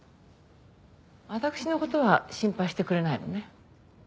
私の事は心配してくれないのね。